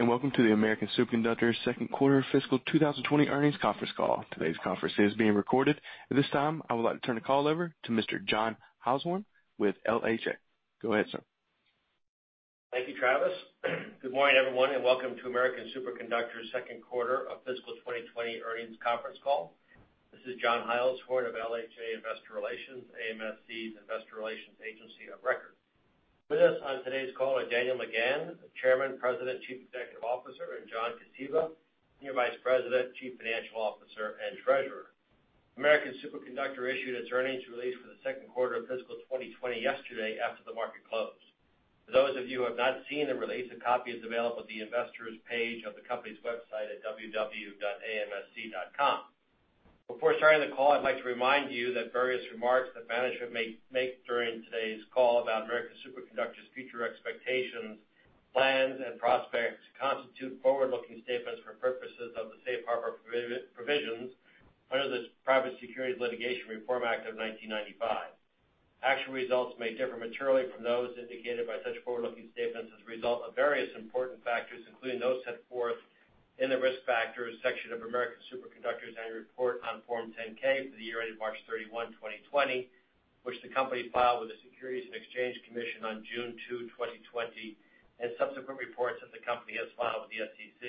Welcome to the American Superconductor second quarter fiscal 2020 earnings conference call. Today's conference is being recorded. At this time, I would like to turn the call over to Mr. John Heilshorn with LHA. Go ahead, sir. Thank you, Travis. Good morning, everyone, and welcome to American Superconductor's second quarter of fiscal 2020 earnings conference call. This is John Heilshorn of LHA Investor Relations, AMSC's investor relations agency of record. With us on today's call are Daniel McGahn, Chairman, President, Chief Executive Officer, and John Kosiba, Senior Vice President, Chief Financial Officer, and Treasurer. American Superconductor issued its earnings release for the second quarter of fiscal 2020 yesterday after the market closed. For those of you who have not seen the release, a copy is available at the investors page of the company's website at www.amsc.com. Before starting the call, I'd like to remind you that various remarks that management may make during today's call about American Superconductor's future expectations, plans, and prospects constitute forward-looking statements for purposes of the safe harbor provisions under the Private Securities Litigation Reform Act of 1995. Actual results may differ materially from those indicated by such forward-looking statements as a result of various important factors, including those set forth in the Risk Factors section of American Superconductor's annual report on Form 10-K for the year ended March 31, 2020, which the company filed with the Securities and Exchange Commission on June 2, 2020, and subsequent reports that the company has filed with the SEC.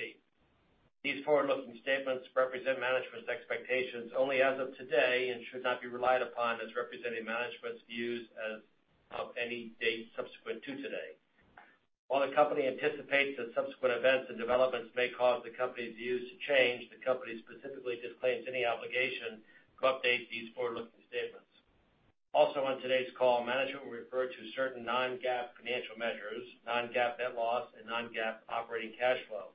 These forward-looking statements represent management's expectations only as of today and should not be relied upon as representing management's views as of any date subsequent to today. While the company anticipates that subsequent events and developments may cause the company's views to change, the company specifically disclaims any obligation to update these forward-looking statements. Also on today's call, management will refer to certain non-GAAP financial measures, non-GAAP net loss, and non-GAAP operating cash flow.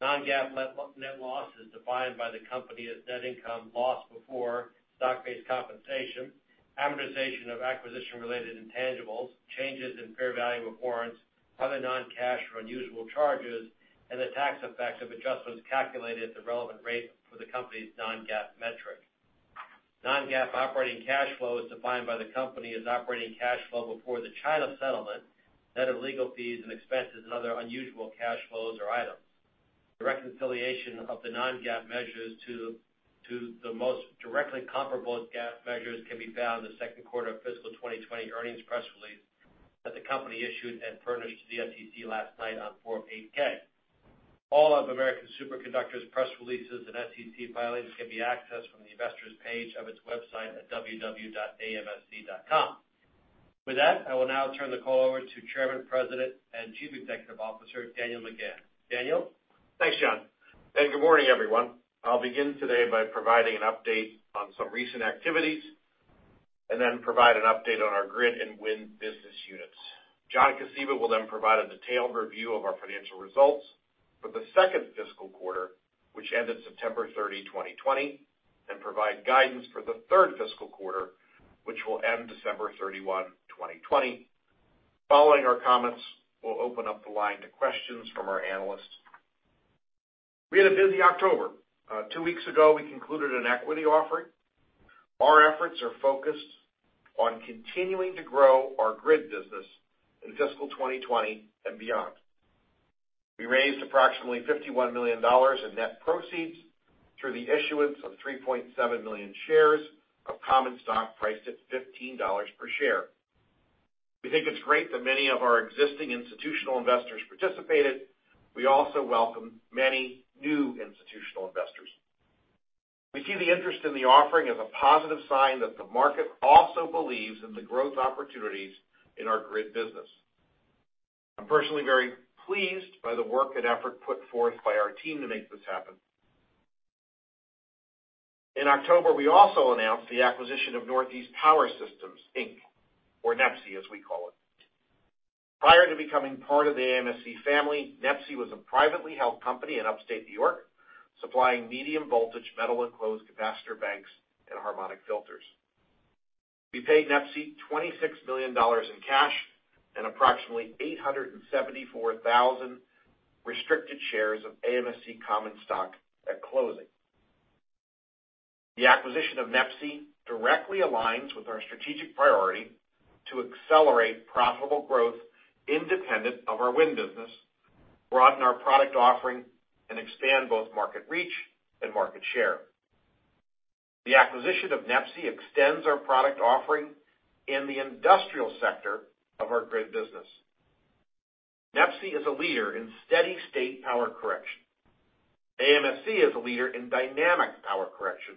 Non-GAAP net loss is defined by the company as net income loss before stock-based compensation, amortization of acquisition-related intangibles, changes in fair value of warrants, other non-cash or unusual charges, and the tax effects of adjustments calculated at the relevant rate for the company's non-GAAP metric. Non-GAAP operating cash flow is defined by the company as operating cash flow before the China settlement, net of legal fees and expenses and other unusual cash flows or items. The reconciliation of the non-GAAP measures to the most directly comparable GAAP measures can be found in the second quarter of fiscal 2020 earnings press release that the company issued and furnished to the SEC last night on Form 8-K. All of American Superconductor's press releases and SEC filings can be accessed from the investors page of its website at www.amsc.com. With that, I will now turn the call over to Chairman, President, and Chief Executive Officer, Daniel McGahn. Daniel? Thanks, John. Good morning, everyone. I'll begin today by providing an update on some recent activities, then provide an update on our Grid and Wind business units. John Kosiba will then provide a detailed review of our financial results for the second fiscal quarter, which ended September 30, 2020, and provide guidance for the third fiscal quarter, which will end December 31, 2020. Following our comments, we'll open up the line to questions from our analysts. We had a busy October. Two weeks ago, we concluded an equity offering. Our efforts are focused on continuing to grow our Grid business in fiscal 2020 and beyond. We raised approximately $51 million in net proceeds through the issuance of 3.7 million shares of common stock priced at $15 per share. We think it's great that many of our existing institutional investors participated. We also welcome many new institutional investors. We see the interest in the offering as a positive sign that the market also believes in the growth opportunities in our Grid business. I'm personally very pleased by the work and effort put forth by our team to make this happen. In October, we also announced the acquisition of Northeast Power Systems, Inc, or NEPSI, as we call it. Prior to becoming part of the AMSC family, NEPSI was a privately held company in upstate New York, supplying medium-voltage, metal-enclosed capacitor banks and harmonic filters. We paid NEPSI $26 million in cash and approximately 874,000 restricted shares of AMSC common stock at closing. The acquisition of NEPSI directly aligns with our strategic priority to accelerate profitable growth independent of our Wind business, broaden our product offering, and expand both market reach and market share. The acquisition of NEPSI extends our product offering in the industrial sector of our Grid business. NEPSI is a leader in steady state power correction. AMSC is a leader in dynamic power correction.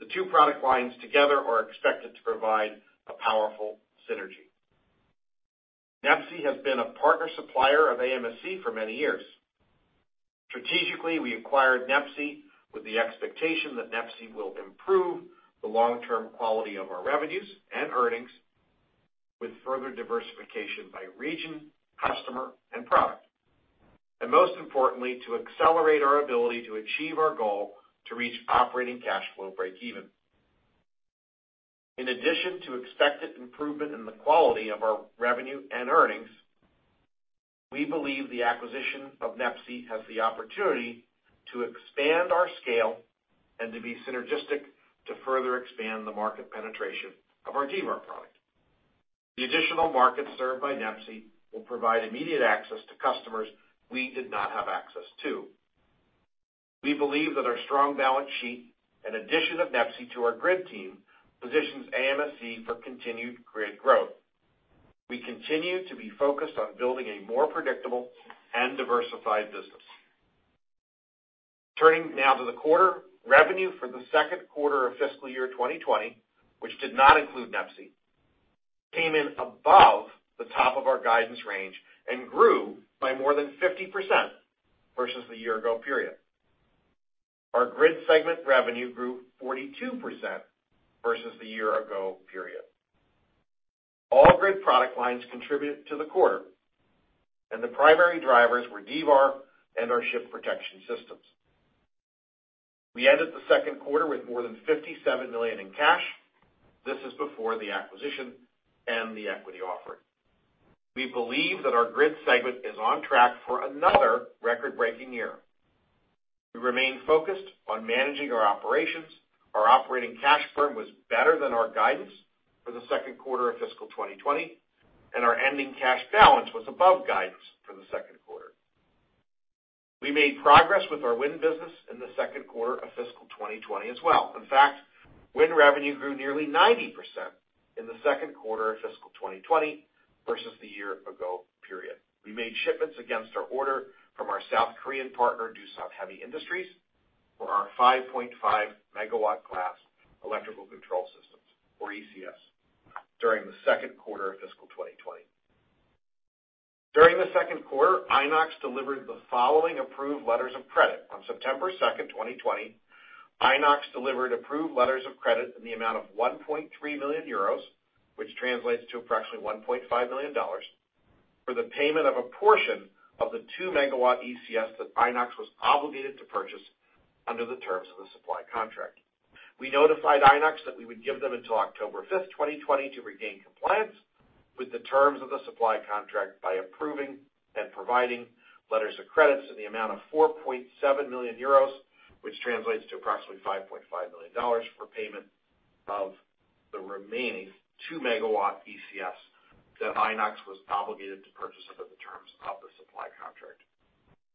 The two product lines together are expected to provide a powerful synergy. NEPSI has been a partner supplier of AMSC for many years. Strategically, we acquired NEPSI with the expectation that NEPSI will improve the long-term quality of our revenues and earnings with further diversification by region, customer, and product. Most importantly, to accelerate our ability to achieve our goal to reach operating cash flow breakeven. In addition to expected improvement in the quality of our revenue and earnings. We believe the acquisition of NEPSI has the opportunity to expand our scale and to be synergistic to further expand the market penetration of our D-VAR product. The additional markets served by NEPSI will provide immediate access to customers we did not have access to. We believe that our strong balance sheet and addition of NEPSI to our Grid team positions AMSC for continued Grid growth. We continue to be focused on building a more predictable and diversified business. Turning now to the quarter, revenue for the second quarter of fiscal 2020, which did not include NEPSI, came in above the top of our guidance range and grew by more than 50% versus the year ago period. Our Grid segment revenue grew 42% versus the year ago period. All Grid product lines contributed to the quarter, and the primary drivers were D-VAR and our Ship Protection Systems. We ended the second quarter with more than $57 million in cash. This is before the acquisition and the equity offering. We believe that our Grid segment is on track for another record-breaking year. We remain focused on managing our operations. Our operating cash burn was better than our guidance for the second quarter of fiscal 2020, and our ending cash balance was above guidance for the second quarter. We made progress with our Wind business in the second quarter of fiscal 2020 as well. In fact, Wind revenue grew nearly 90% in the second quarter of fiscal 2020 versus the year ago period. We made shipments against our order from our South Korean partner, Doosan Heavy Industries, for our 5.5 MW class electrical control systems, or ECS, during the second quarter of fiscal 2020. During the second quarter, Inox delivered the following approved letters of credit. On September 2nd, 2020, Inox delivered approved letters of credit in the amount of 1.3 million euros, which translates to approximately $1.5 million, for the payment of a portion of the 2 MW ECS that Inox was obligated to purchase under the terms of the supply contract. We notified Inox that we would give them until October 5th, 2020, to regain compliance with the terms of the supply contract by approving and providing letters of credits in the amount of 4.7 million euros, which translates to approximately $5.5 million for payment of the remaining 2 MW ECS that Inox was obligated to purchase under the terms of the supply contract.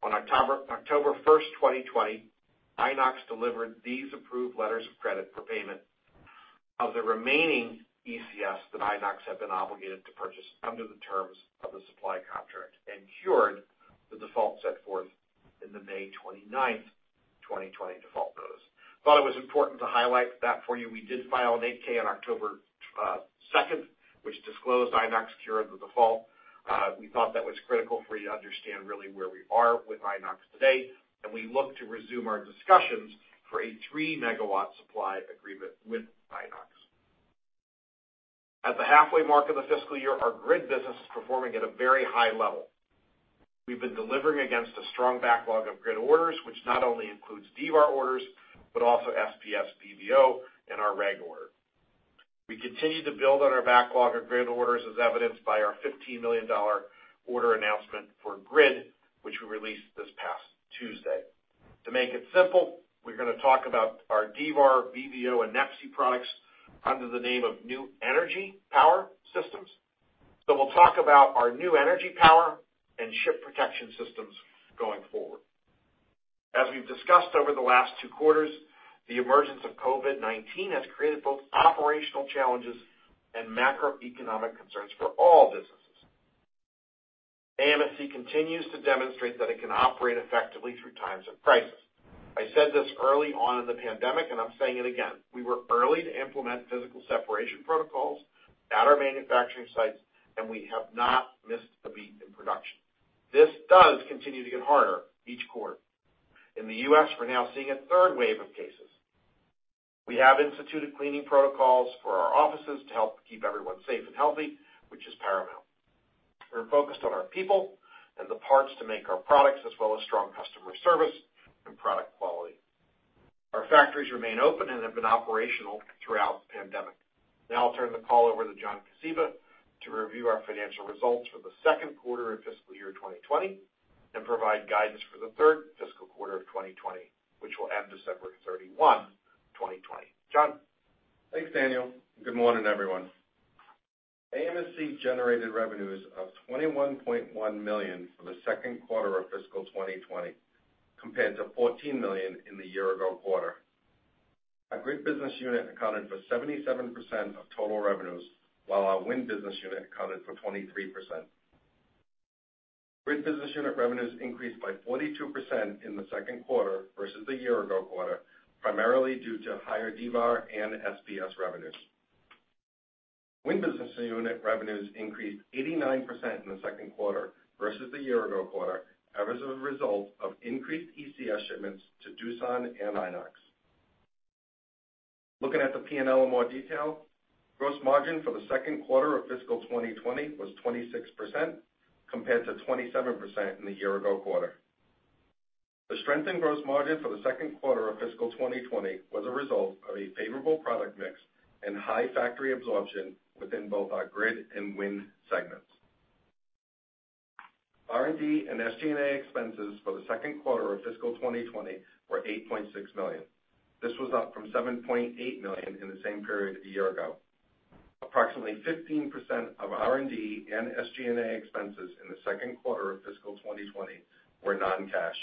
On October 1st, 2020, Inox delivered these approved letters of credit for payment of the remaining ECS that Inox had been obligated to purchase under the terms of the supply contract and cured the default set forth in the May 29th, 2020 default notice. Thought it was important to highlight that for you. We did file an 8-K on October 2nd, which disclosed Inox cure of the default. We thought that was critical for you to understand really where we are with Inox today, and we look to resume our discussions for a 3 MW supply agreement with Inox. At the halfway mark of the fiscal year, our Grid business is performing at a very high level. We've been delivering against a strong backlog of Grid orders, which not only includes D-VAR orders, but also SPS, VVO, And our REG order. We continue to build on our backlog of Grid orders, as evidenced by our $15 million order announcement for Grid, which we released this past Tuesday. To make it simple, we're going to talk about our D-VAR, VVO, and NEPSI products under the name of New Energy Power Systems. We'll talk about our New Energy Power and Ship Protection Systems going forward. As we've discussed over the last two quarters, the emergence of COVID-19 has created both operational challenges and macroeconomic concerns for all businesses. AMSC continues to demonstrate that it can operate effectively through times of crisis. I said this early on in the pandemic, and I'm saying it again. We were early to implement physical separation protocols at our manufacturing sites, and we have not missed a beat in production. This does continue to get harder each quarter. In the U.S., we're now seeing a third wave of cases. We have instituted cleaning protocols for our offices to help keep everyone safe and healthy, which is paramount. We're focused on our people and the parts to make our products, as well as strong customer service and product quality. Our factories remain open and have been operational throughout the pandemic. Now I'll turn the call over to John Kosiba to review our financial results for the second quarter of fiscal year 2020 and provide guidance for the third fiscal quarter of 2020, which will end December 31, 2020. John? Thanks, Daniel, and good morning, everyone. AMSC generated revenues of $21.1 million for the second quarter of fiscal 2020, compared to $14 million in the year ago quarter. Our Grid business unit accounted for 77% of total revenues, while our Wind business unit accounted for 23%. Grid business unit revenues increased by 42% in the second quarter versus the year ago quarter, primarily due to higher D-VAR and SPS revenues. Wind business unit revenues increased 89% in the second quarter versus the year ago quarter as a result of increased ECS shipments to Doosan and Inox. Looking at the P&L in more detail, gross margin for the second quarter of fiscal 2020 was 26%, compared to 27% in the year ago quarter. The strength in gross margin for the second quarter of fiscal 2020 was a result of a favorable product mix and high factory absorption within both our Grid and Wind segments. R&D and SG&A expenses for the second quarter of fiscal 2020 were $8.6 million. This was up from $7.8 million in the same period a year ago. Approximately 15% of R&D and SG&A expenses in the second quarter of fiscal 2020 were non-cash.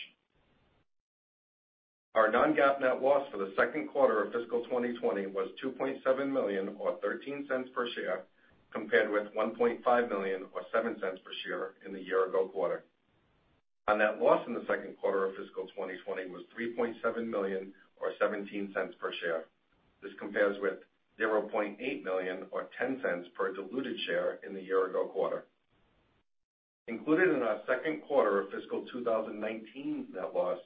Our non-GAAP net loss for the second quarter of fiscal 2020 was $2.7 million, or $0.13 per share, compared with $1.5 million or $0.07 per share in the year-ago quarter. Our net loss in the second quarter of fiscal 2020 was $3.7 million or $0.17 per share. This compares with $0.8 million or $0.10 per diluted share in the year-ago quarter. Included in our second quarter of fiscal 2019 net loss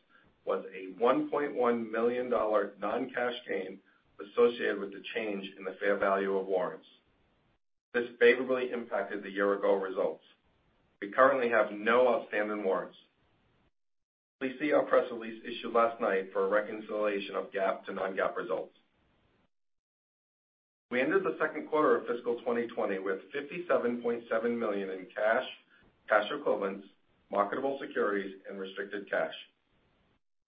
was a $1.1 million non-cash gain associated with the change in the fair value of warrants. This favorably impacted the year-ago results. We currently have no outstanding warrants. Please see our press release issued last night for a reconciliation of GAAP to non-GAAP results. We ended the second quarter of fiscal 2020 with $57.7 million in cash equivalents, marketable securities, and restricted cash.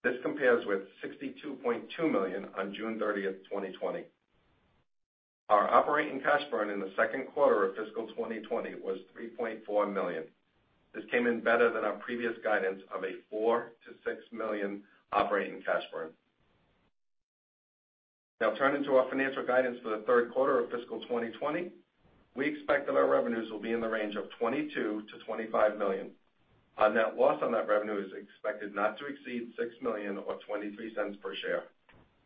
This compares with $62.2 million on June 30th, 2020. Our operating cash burn in the second quarter of fiscal 2020 was $3.4 million. This came in better than our previous guidance of a $4 million-$6 million operating cash burn. Turning to our financial guidance for the third quarter of fiscal 2020, we expect that our revenues will be in the range of $22 million-$25 million. Our net loss on that revenue is expected not to exceed $6 million or $0.23 per share,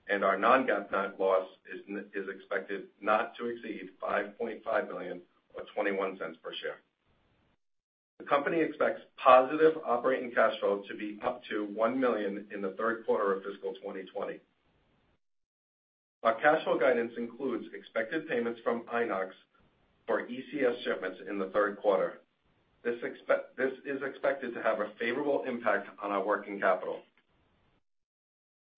and our non-GAAP net loss is expected not to exceed $5.5 million or $0.21 per share. The company expects positive operating cash flow to be up to $1 million in the third quarter of fiscal 2020. Our cash flow guidance includes expected payments from Inox for ECS shipments in the third quarter. This is expected to have a favorable impact on our working capital.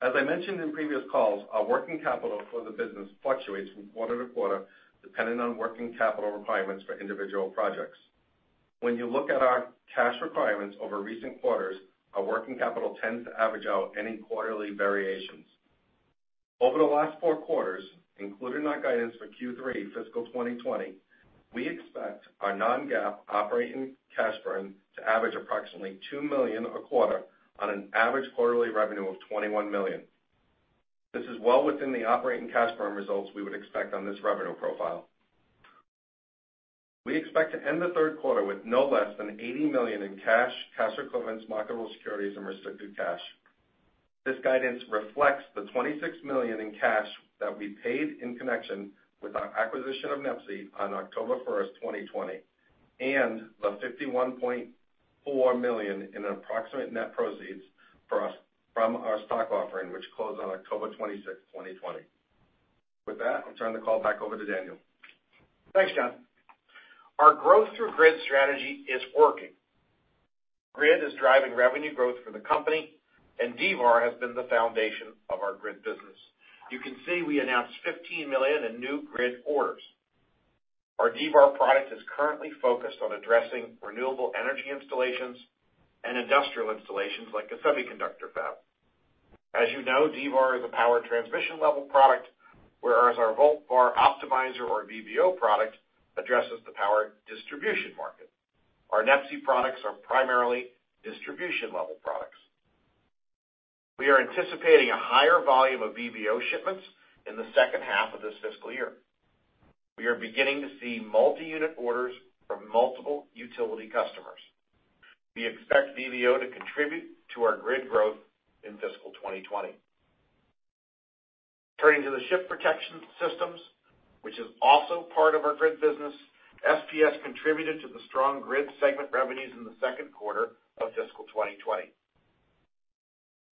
As I mentioned in previous calls, our working capital for the business fluctuates from quarter to quarter, depending on working capital requirements for individual projects. When you look at our cash requirements over recent quarters, our working capital tends to average out any quarterly variations. Over the last four quarters, including our guidance for Q3 fiscal 2020, we expect our non-GAAP operating cash burn to average approximately $2 million a quarter on an average quarterly revenue of $21 million. This is well within the operating cash burn results we would expect on this revenue profile. We expect to end the third quarter with no less than $80 million in cash equivalents, marketable securities, and restricted cash. This guidance reflects the $26 million in cash that we paid in connection with our acquisition of NEPSI on October 1st, 2020, and the $51.4 million in approximate net proceeds from our stock offering, which closed on October 26th, 2020. With that, I'll turn the call back over to Daniel. Thanks, John. Our growth through Grid strategy is working. Grid is driving revenue growth for the company. D-VAR has been the foundation of our Grid business. You can see we announced $15 million in new Grid orders. Our D-VAR product is currently focused on addressing renewable energy installations and industrial installations like a semiconductor fab. As you know, D-VAR is a power transmission level product, whereas our Volt VAR Optimizer or VVO product addresses the power distribution market. Our NEPSI products are primarily distribution-level products. We are anticipating a higher volume of VVO shipments in the second half of this fiscal year. We are beginning to see multi-unit orders from multiple utility customers. We expect VVO to contribute to our Grid growth in fiscal 2020. Turning to the Ship Protection Systems, which is also part of our Grid business, SPS contributed to the strong Grid segment revenues in the second quarter of fiscal 2020.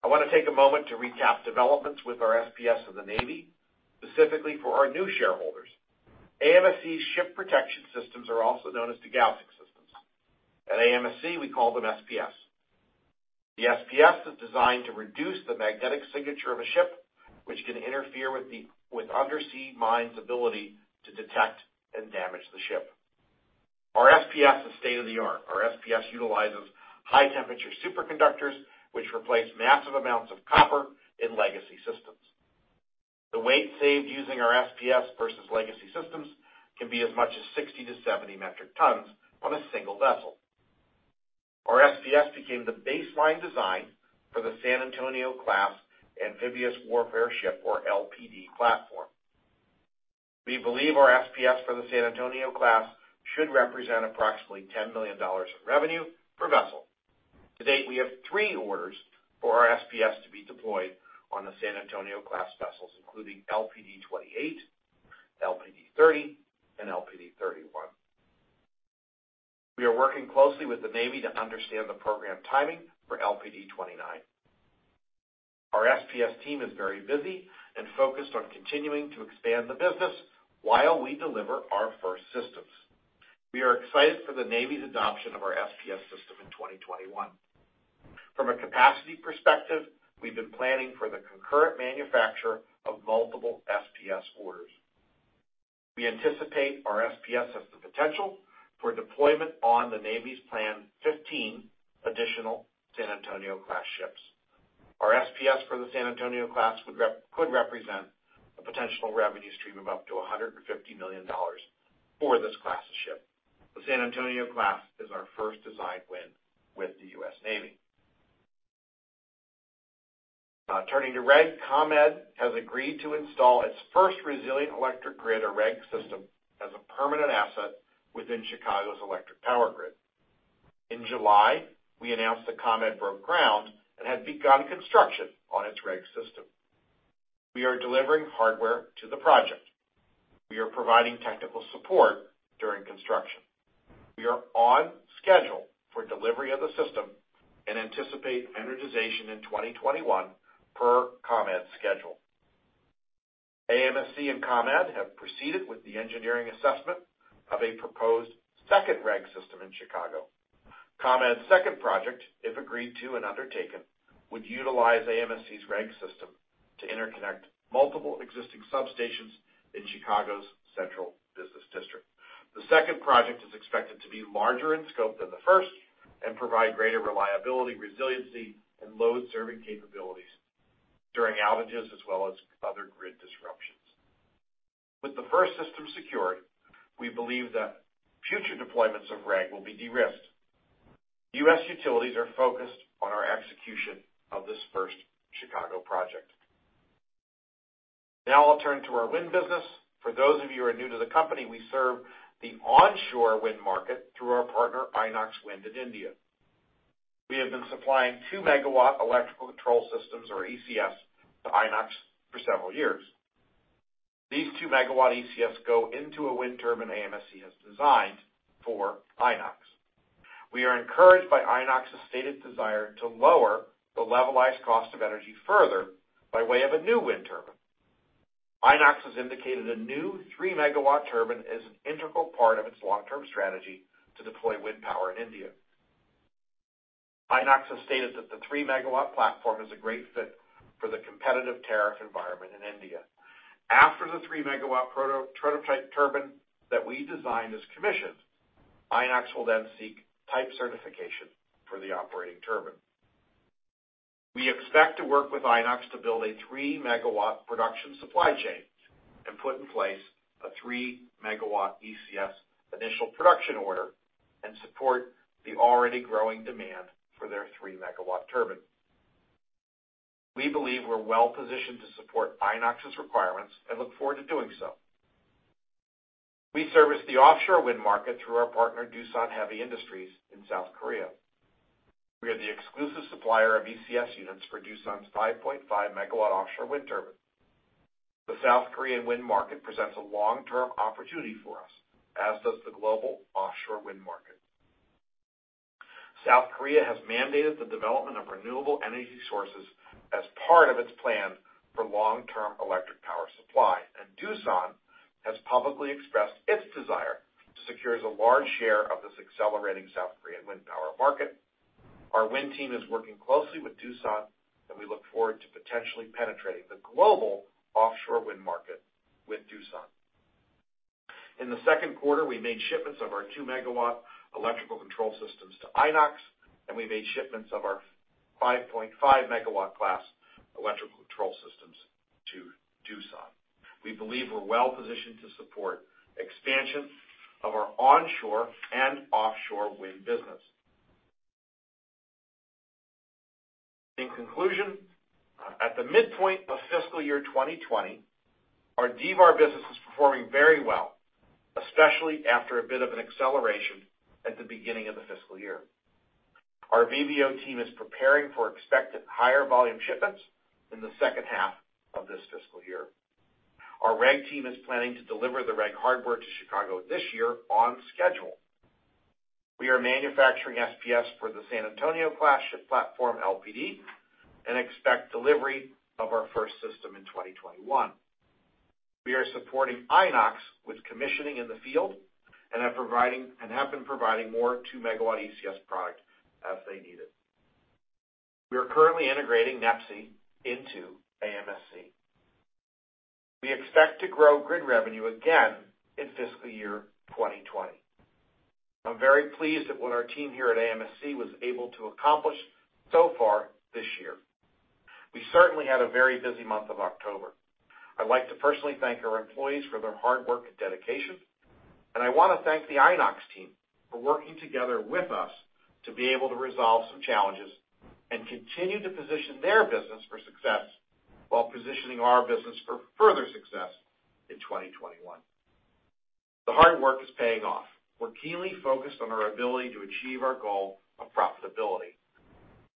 I want to take a moment to recap developments with our SPS and the Navy, specifically for our new shareholders. AMSC's Ship Protection Systems are also known as Degaussing systems. At AMSC, we call them SPS. The SPS is designed to reduce the magnetic signature of a ship, which can interfere with undersea mines' ability to detect and damage the ship. Our SPS is state-of-the-art. Our SPS utilizes high-temperature superconductors, which replace massive amounts of copper in legacy systems. The weight saved using our SPS versus legacy systems can be as much as 60 metric tons-70 metric tons on a single vessel. Our SPS became the baseline design for the San Antonio-class amphibious warfare ship or LPD platform. We believe our SPS for the San Antonio-class should represent approximately $10 million of revenue per vessel. To date, we have three orders for our SPS to be deployed on the San Antonio-class vessels, including LPD 28, LPD 30, and LPD 31. We are working closely with the Navy to understand the program timing for LPD 29. Our SPS team is very busy and focused on continuing to expand the business while we deliver our first systems. We are excited for the Navy's adoption of our SPS system in 2021. From a capacity perspective, we've been planning for the concurrent manufacture of multiple SPS orders. We anticipate our SPS has the potential for deployment on the Navy's planned 15 additional San Antonio-class ships. Our SPS for the San Antonio-class could represent a potential revenue stream of up to $150 million for this class of ship. The San Antonio-class is our first design win with the U.S. Navy. Turning to REG, ComEd has agreed to install its first Resilient Electric Grid, or REG, system as a permanent asset within Chicago's electric power Grid. In July, we announced that ComEd broke ground and had begun construction on its REG system. We are delivering hardware to the project. We are providing technical support during construction. We are on schedule for delivery of the system and anticipate energization in 2021 per ComEd's schedule. AMSC and ComEd have proceeded with the engineering assessment of a proposed second REG system in Chicago. ComEd's second project, if agreed to and undertaken, would utilize AMSC's REG system to interconnect multiple existing substations in Chicago's Central Business District. The second project is expected to be larger in scope than the first and provide greater reliability, resiliency, and load-serving capabilities during outages as well as other Grid disruptions. With the first system secured, we believe that future deployments of REG will be de-risked. U.S. utilities are focused on our execution of this first Chicago project. Now I'll turn to our Wind business. For those of you who are new to the company, we serve the onshore Wind market through our partner Inox Wind in India. We have been supplying 2 MW electrical control systems, or ECS, to Inox for several years. These 2 MW ECS go into a Wind turbine AMSC has designed for Inox. We are encouraged by Inox's stated desire to lower the levelized cost of energy further by way of a new Wind turbine. Inox has indicated a new 3 MW turbine as an integral part of its long-term strategy to deploy Wind power in India. Inox has stated that the 3 MW platform is a great fit for the competitive tariff environment in India. After the 3MW prototype turbine that we designed is commissioned, Inox will then seek type certification for the operating turbine. We expect to work with Inox to build a 3 MW production supply chain and put in place a 3 MW ECS initial production order and support the already growing demand for their 3 MW turbine. We believe we're well-positioned to support Inox's requirements and look forward to doing so. We service the offshore Wind market through our partner, Doosan Heavy Industries, in South Korea. We are the exclusive supplier of ECS units for Doosan's 5.5 MW offshore Wind turbine. The South Korean Wind market presents a long-term opportunity for us, as does the global offshore Wind market. South Korea has mandated the development of renewable energy sources as part of its plan for long-term electric power supply, Doosan has publicly expressed its desire to secure a large share of this accelerating South Korean Wind power market. Our Wind team is working closely with Doosan, and we look forward to potentially penetrating the global offshore Wind market with Doosan. In the second quarter, we made shipments of our 2 MW electrical control systems to Inox, and we made shipments of our 5.5 MW class electrical control systems to Doosan. We believe we're well-positioned to support expansion of our onshore and offshore Wind business. In conclusion, at the midpoint of fiscal 2020, our D-VAR business is performing very well, especially after a bit of an acceleration at the beginning of the fiscal year. Our VVO team is preparing for expected higher volume shipments in the second half of this fiscal year. Our REG team is planning to deliver the REG hardware to Chicago this year on schedule. We are manufacturing SPS for the San Antonio-class ship platform LPD and expect delivery of our first system in 2021. We are supporting Inox with commissioning in the field and have been providing more 2 MW ECS product as they need it. We are currently integrating NEPSI into AMSC. We expect to grow Grid revenue again in fiscal 2020. I'm very pleased at what our team here at AMSC was able to accomplish so far this year. We certainly had a very busy month of October. I'd like to personally thank our employees for their hard work and dedication, and I want to thank the Inox team for working together with us to be able to resolve some challenges and continue to position their business for success while positioning our business for further success in 2021. The hard work is paying off. We're keenly focused on our ability to achieve our goal of profitability.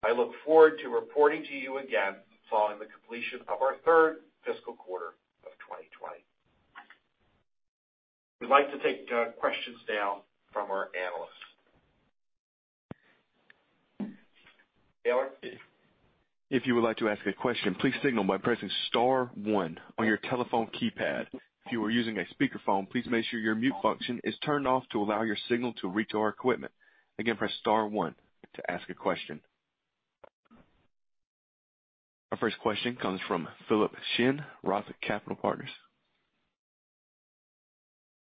I look forward to reporting to you again following the completion of our third fiscal quarter. We'd like to take questions now from our analysts. Travis? If you would like to ask a question, please signal by pressing star one on your telephone keypad. If you are using a speakerphone, please make sure your mute function is turned off to allow your signal to reach our equipment. Again, press star one to ask a question. Our first question comes from Philip Shen, ROTH Capital Partners.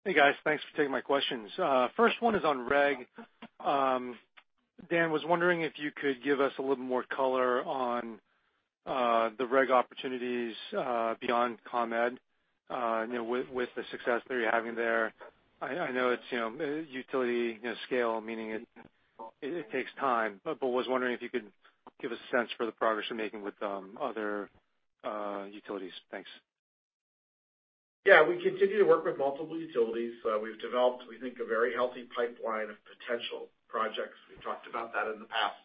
Hey, guys. Thanks for taking my questions. First one is on REG. Dan, was wondering if you could give us a little more color on the REG opportunities, beyond ComEd. With the success that you're having there, I know it's utility scale, meaning it takes time, but was wondering if you could give a sense for the progress you're making with other utilities. Thanks. Yeah. We continue to work with multiple utilities. We've developed, we think, a very healthy pipeline of potential projects. We've talked about that in the past.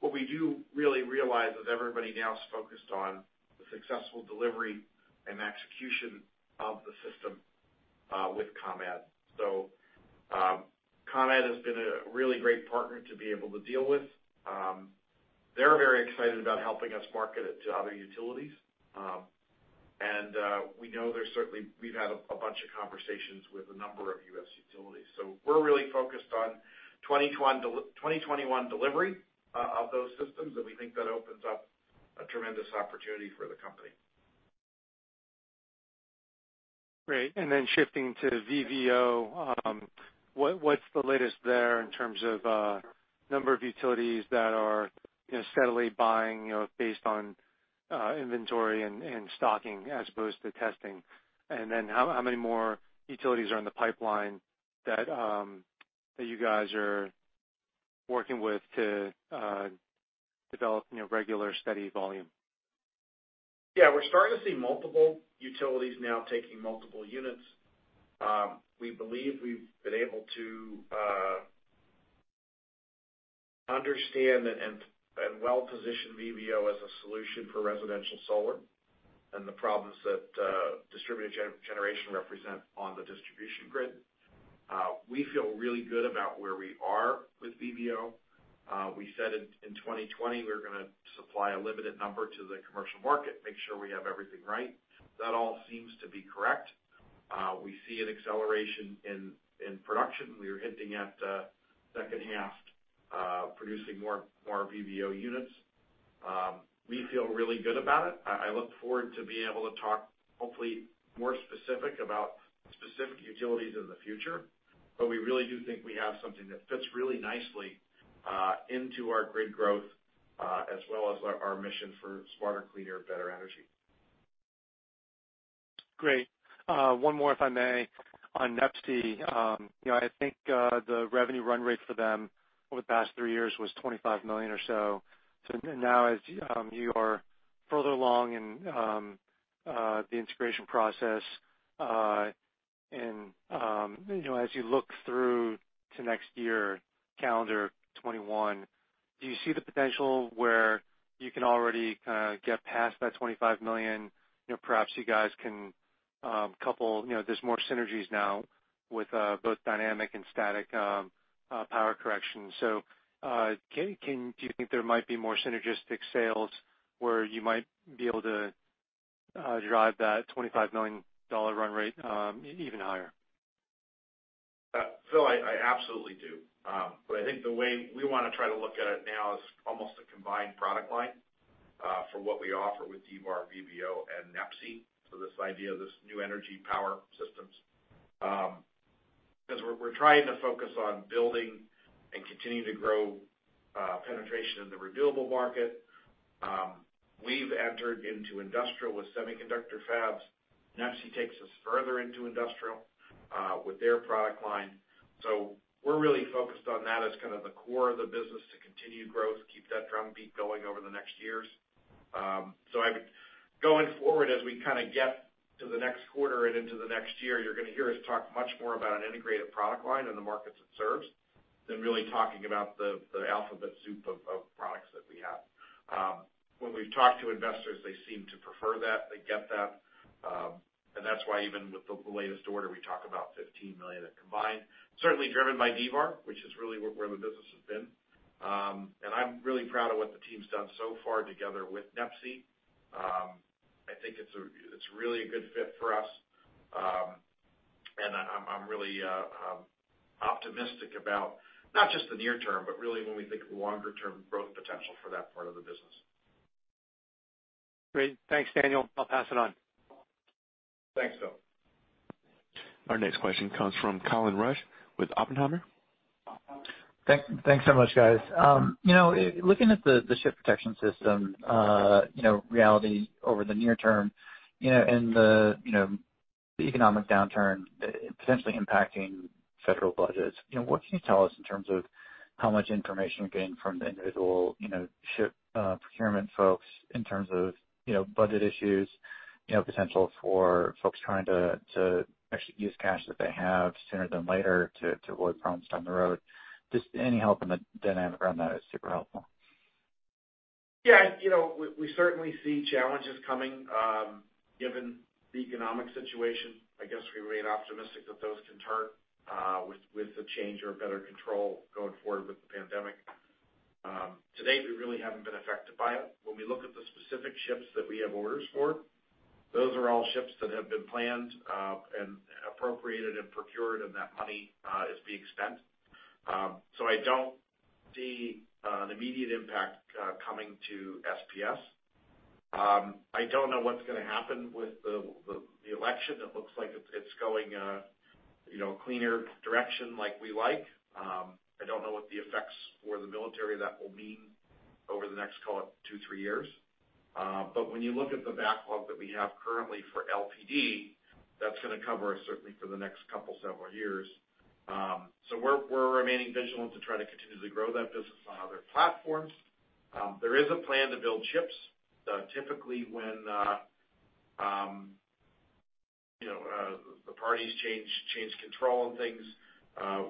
What we do really realize is everybody now is focused on the successful delivery and execution of the system, with ComEd. ComEd has been a really great partner to be able to deal with. They're very excited about helping us market it to other utilities. We know we've had a bunch of conversations with a number of U.S. utilities. We're really focused on 2021 delivery of those systems, and we think that opens up a tremendous opportunity for the company. Great. Shifting to VVO, what's the latest there in terms of number of utilities that are steadily buying based on inventory and stocking as opposed to testing? How many more utilities are in the pipeline that you guys are working with to develop regular steady volume? Yeah. We're starting to see multiple utilities now taking multiple units. We believe we've been able to understand and well position VVO as a solution for residential solar and the problems that distributed generation represent on the distribution Grid. We feel really good about where we are with VVO. We said in 2020 we were going to supply a limited number to the commercial market, make sure we have everything right. That all seems to be correct. We see an acceleration in production. We are hinting at second half, producing more VVO units. We feel really good about it. I look forward to being able to talk hopefully more specific about specific utilities in the future, but we really do think we have something that fits really nicely into our Grid growth, as well as our mission for smarter, cleaner, better energy. Great. One more, if I may, on NEPSI. I think the revenue run rate for them over the past three years was $25 million or so. Now as you are further along in the integration process, and as you look through to next year, calendar 2021, do you see the potential where you can already get past that $25 million? Perhaps you guys can couple, there's more synergies now with both dynamic and static power correction. Do you think there might be more synergistic sales where you might be able to drive that $25 million run rate even higher? Philip, I absolutely do. I think the way we want to try to look at it now is almost a combined product line, for what we offer with D-VAR, VVO and NEPSI. This idea of this New Energy Power Systems, because we're trying to focus on building and continuing to grow penetration in the renewable market. We've entered into industrial with semiconductor fabs. NEPSI takes us further into industrial with their product line. We're really focused on that as the core of the business to continue growth, keep that drum beat going over the next years. Going forward, as we get to the next quarter and into the next year, you're going to hear us talk much more about an integrated product line and the markets it serves than really talking about the alphabet soup of products that we have. When we've talked to investors, they seem to prefer that. They get that. That's why even with the latest order, we talk about $15 million in combined, certainly driven by D-VAR, which is really where the business has been. I'm really proud of what the team's done so far together with NEPSI. I think it's really a good fit for us. I'm really optimistic about not just the near term, but really when we think of the longer-term growth potential for that part of the business. Great. Thanks, Daniel. I'll pass it on. Thanks, Phil. Our next question comes from Colin Rusch with Oppenheimer. Thanks so much, guys. Looking at the Ship Protection Systems reality over the near term and the economic downturn potentially impacting federal budgets, what can you tell us in terms of how much information you're getting from the individual ship procurement folks in terms of budget issues, potential for folks trying to actually use cash that they have sooner than later to avoid problems down the road? Just any help in the dynamic around that is super helpful. Yeah. We certainly see challenges coming given the economic situation. I guess we remain optimistic that those can turn with the change or better control going forward with the pandemic. To date, we really haven't been affected by it. When we look at the specific ships that we have orders for, those are all ships that have been planned and appropriated and procured, and that money is being spent. I don't see an immediate impact coming to SPS. I don't know what's going to happen with the election. It looks like it's going a cleaner direction like we like. I don't know what the effects for the military that will mean over the next, call it, two, three years. When you look at the backlog that we have currently for LPD, that's going to cover us certainly for the next couple several years. We're remaining vigilant to try to continue to grow that business on other platforms. There is a plan to build ships. Typically, when the parties change control on things,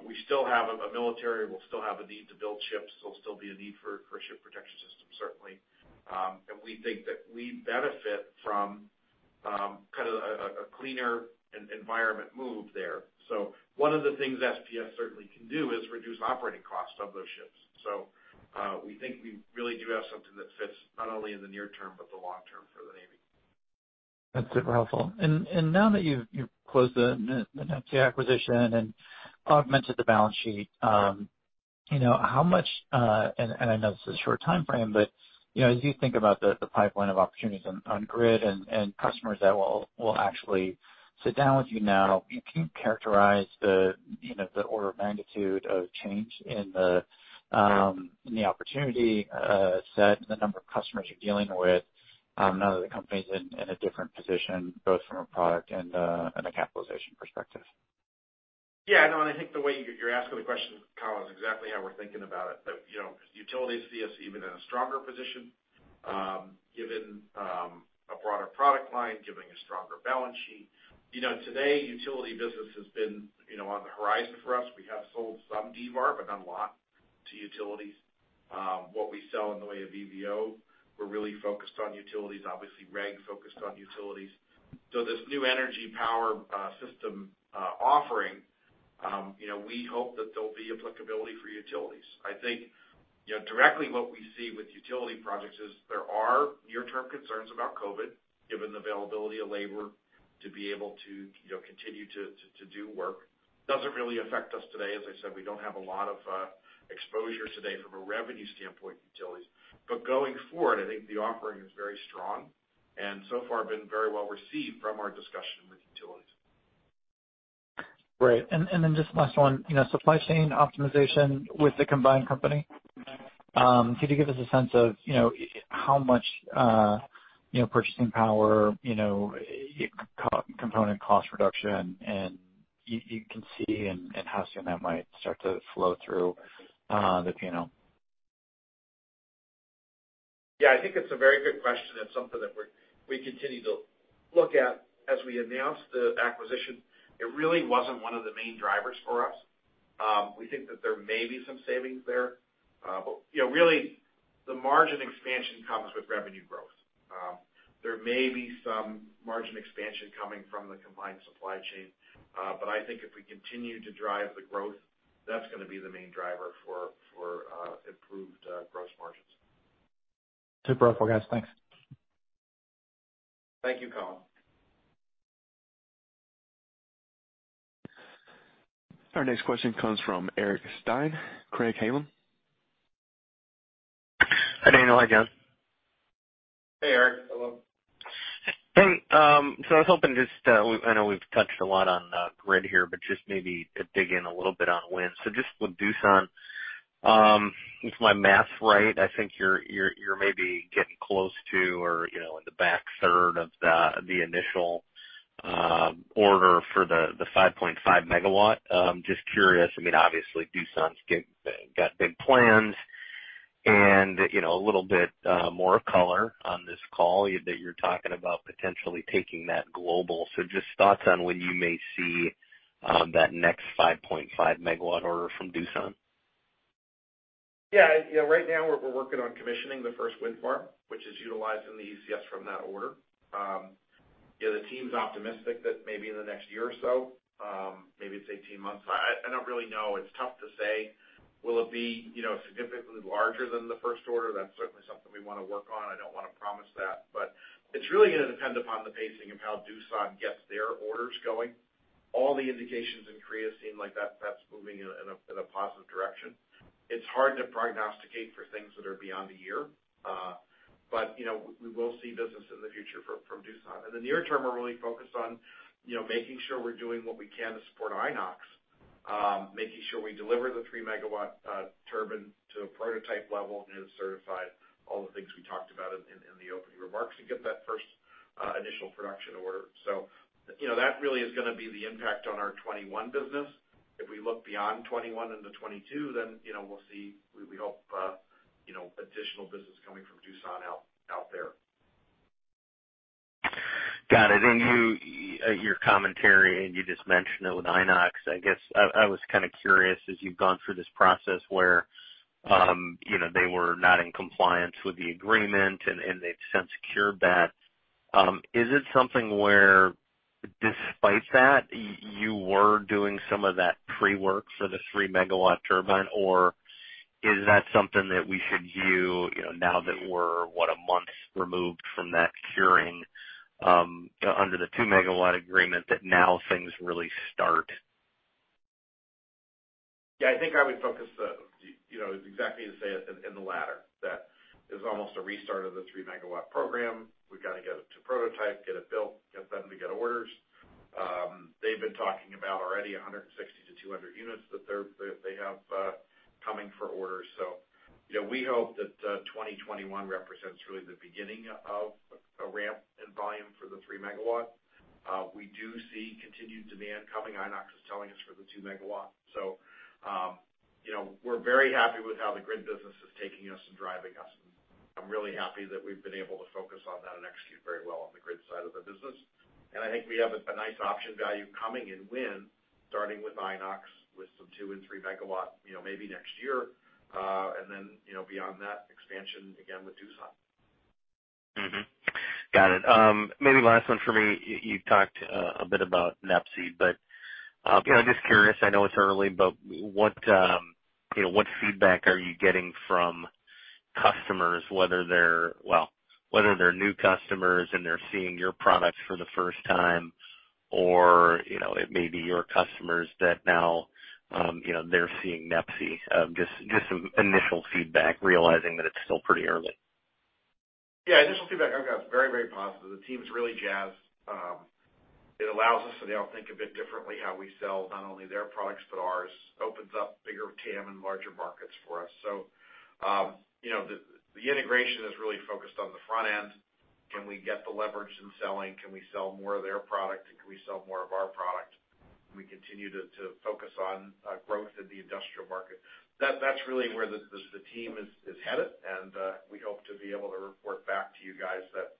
we still have a Military, we'll still have a need to build ships, there'll still be a need for Ship Protection Systems, certainly. We think that we benefit from kind of a cleaner environment move there. One of the things SPS certainly can do is reduce operating costs of those ships. We think we really do have something that fits not only in the near term, but the long term for the Navy. That's super helpful. Now that you've closed the Inox acquisition and augmented the balance sheet, I know this is a short timeframe, but as you think about the pipeline of opportunities on Grid and customers that will actually sit down with you now, can you characterize the order of magnitude of change? In the opportunity set and the number of customers you're dealing with now that the company's in a different position, both from a product and a capitalization perspective? Yeah, no. I think the way you're asking the question, Colin, is exactly how we're thinking about it. That utilities see us even in a stronger position, given a broader product line, given a stronger balance sheet. Today, utility business has been on the horizon for us. We have sold some D-VAR, but not a lot to utilities. What we sell in the way of VVO, we're really focused on utilities. Obviously, REG focused on utilities. This new energy power system offering, we hope that there'll be applicability for utilities. I think directly what we see with utility projects is there are near-term concerns about COVID, given the availability of labor to be able to continue to do work. Doesn't really affect us today. As I said, we don't have a lot of exposure today from a revenue standpoint with utilities. Going forward, I think the offering is very strong, and so far been very well received from our discussion with utilities. Great. Just last one. Supply chain optimization with the combined company. Can you give us a sense of how much purchasing power, component cost reduction, and you can see, and how soon that might start to flow through the P&L? Yeah. I think it's a very good question. It's something that we continue to look at. As we announced the acquisition, it really wasn't one of the main drivers for us. We think that there may be some savings there. Really, the margin expansion comes with revenue growth. There may be some margin expansion coming from the combined supply chain. I think if we continue to drive the growth, that's going to be the main driver for improved gross margins. Super helpful, guys. Thanks. Thank you, Colin. Our next question comes from Eric Stine, Craig-Hallum. Hi, Daniel. Hi, John. Hey, Eric. Hello. Hey. I was hoping, just, I know we've touched a lot on Grid here, but just maybe to dig in a little bit on Wind. just with Doosan, if my math's right, I think you're maybe getting close to or in the back third of the initial order for the 5.5 MW. Just curious, obviously Doosan's got big plans and a little bit more color on this call that you're talking about potentially taking that global. just thoughts on when you may see that next 5.5 MW order from Doosan. Right now, we're working on commissioning the first Wind farm, which is utilizing the ECS from that order. The team's optimistic that maybe in the next year or so, maybe it's 18 months. I don't really know. It's tough to say. Will it be significantly larger than the first order? That's certainly something we want to work on. I don't want to promise that, but it's really going to depend upon the pacing of how Doosan gets their orders going. All the indications in Korea seem like that's moving in a positive direction. It's hard to prognosticate for things that are beyond a year. We will see business in the future from Doosan. In the near term, we're really focused on making sure we're doing what we can to support Inox, making sure we deliver the 3 MW turbine to a prototype level and it's certified, all the things we talked about in the opening remarks to get that first initial production order. That really is going to be the impact on our 2021 business. If we look beyond 2021 into 2022, we'll see, we hope, additional business coming from Doosan Got it. Your commentary, and you just mentioned it with Inox. I guess I was kind of curious, as you've gone through this process where they were not in compliance with the agreement and they've since cured that, is it something where despite that, you were doing some of that pre-work for the 3 MW turbine? Is that something that we should view, now that we're, what, a month removed from that curing, under the 2 MW agreement, that now things really start? Yeah, I think I would focus. It's exactly as you say it, in the latter, that it's almost a restart of the 3 MWprogram. We've got to get it to prototype, get it built, get them to get orders. They've been talking about already 160-200 units that they have coming for orders. We hope that 2021 represents really the beginning of a ramp in volume for the 3 MW. We do see continued demand coming, Inox is telling us, for the 2 MW. We're very happy with how the Grid business is taking us and driving us. I'm really happy that we've been able to focus on that and execute very well on the Grid side of the business. I think we have a nice option value coming in Wind, starting with Inox, with some 2 MW and 3 MW, maybe next year. Beyond that, expansion again with Doosan. Got it. Maybe last one for me. You talked a bit about NEPSI, but I'm just curious, I know it's early, but what feedback are you getting from customers, whether they're new customers and they're seeing your products for the first time, or it may be your customers that now they're seeing NEPSI, just some initial feedback, realizing that it's still pretty early? Yeah. Initial feedback, very positive. The team's really jazzed. It allows us so they all think a bit differently how we sell not only their products, but ours. Opens up bigger TAM and larger markets for us. The integration is really focused on the front end. Can we get the leverage in selling? Can we sell more of their product, and can we sell more of our product? Can we continue to focus on growth in the industrial market? That's really where the team is headed. We hope to be able to report back to you guys that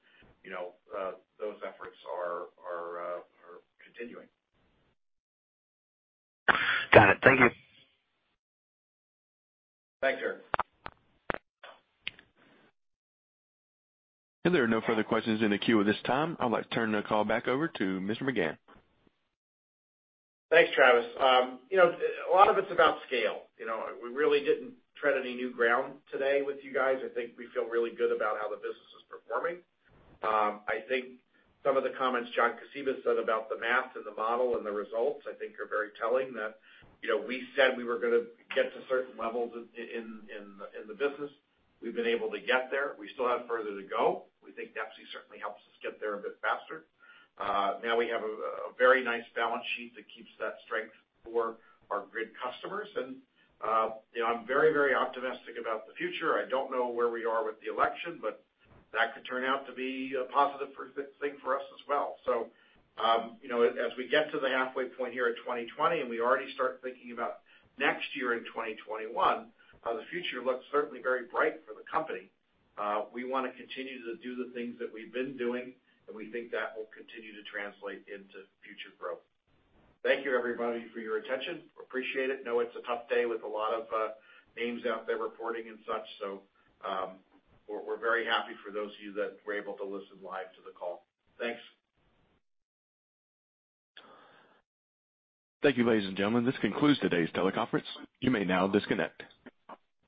those efforts are continuing. Got it. Thank you. Thanks, sir. There are no further questions in the queue at this time. I'd like to turn the call back over to Mr. McGahn. Thanks, Travis. A lot of it's about scale. We really didn't tread any new ground today with you guys. I think we feel really good about how the business is performing. I think some of the comments John Kosiba said about the math and the model and the results, are very telling that we said we were going to get to certain levels in the business. We've been able to get there. We still have further to go. We think NEPSI certainly helps us get there a bit faster. Now we have a very nice balance sheet that keeps that strength for our Grid customers. I'm very optimistic about the future. I don't know where we are with the election, but that could turn out to be a positive thing for us as well. As we get to the halfway point here at 2020, we already start thinking about next year in 2021, the future looks certainly very bright for the company. We want to continue to do the things that we've been doing, we think that will continue to translate into future growth. Thank you, everybody, for your attention. Appreciate it. We know it's a tough day with a lot of names out there reporting and such, we're very happy for those of you that were able to listen live to the call. Thanks. Thank you, ladies and gentlemen. This concludes today's teleconference. You may now disconnect.